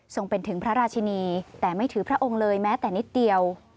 เป็นถึงพระราชินีแต่ไม่ถือพระองค์เลยแม้แต่นิดเดียว